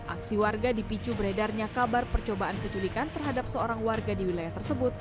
aksi warga di picu beredarnya kabar percobaan penculikan terhadap seorang warga di wilayah tersebut